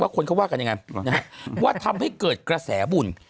คนเขาว่ากันยังไงว่าทำให้เกิดกระแสบุญ